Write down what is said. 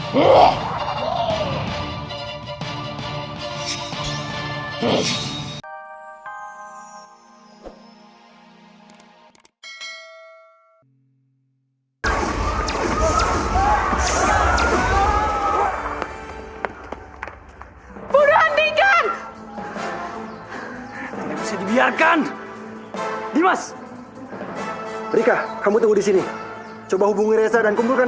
hai berhenti kan biarkan dimas berikan kamu tunggu di sini coba hubungi reza dan kumpulkan